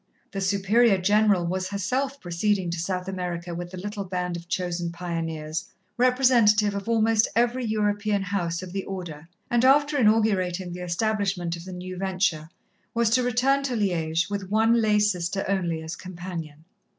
The Superior General was herself proceeding to South America with the little band of chosen pioneers, representative of almost every European house of the Order, and after inaugurating the establishment of the new venture, was to return to Liège, with one lay sister only as companion.